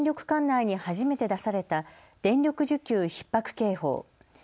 管内に初めて出された電力需給ひっ迫警報。